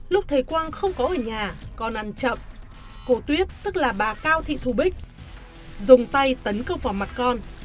lúc thầy quang không có ở nhà con ăn chậm cô tuyết tức là bà cao thị thu bích dùng tay tấn công vào mặt con